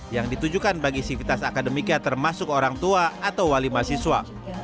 yang ditujukan bagi sivitas akademiknya termasuk orang tua atau wali mahasiswa